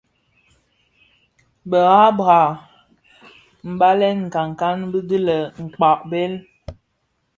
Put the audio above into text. Bë habra mbalèn nkankan bi bibèl (Mkpa - Bhèl),